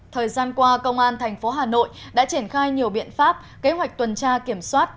thời gian qua công an thành phố hà nội đã triển khai nhiều biện pháp kế hoạch tuần tra kiểm soát